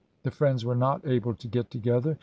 . The friends were not able to get together